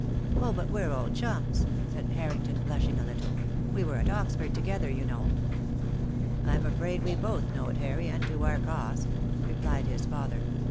"Oh, but we're old chums," said Harrington, blush ing a little; "we were at Oxford together, you know." "I'm afraid we both know it, Harry, and to our cost," replied his father.